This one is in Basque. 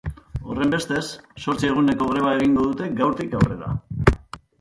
Horrenbestez, zortzi eguneko greba egingo dute gaurtik aurrera.